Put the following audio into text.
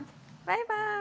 バイバーイ。